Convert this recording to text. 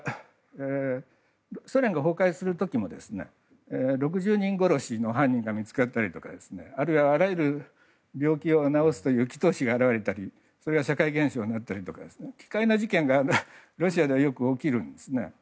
ソ連が崩壊する時も６０人殺しの犯人が見つかったりあるいは、あらゆる病気を治すという祈祷師が現れたりそれが社会現象になったりで奇怪な事件がロシアではよく起きるんですね。